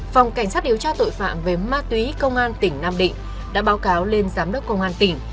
phòng cảnh sát điều tra tội phạm về ma túy công an tỉnh nam định đã báo cáo lên giám đốc công an tỉnh